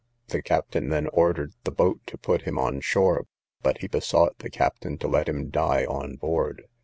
The captain then ordered the boat to put him on shore; but he besought the captain to let him die on board.